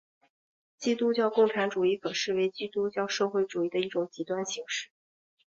基督教共产主义可视为基督教社会主义的一种极端形式。